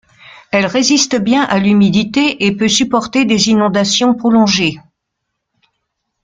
Elle résiste bien à l'humidité et peut supporter des inondations prolongées.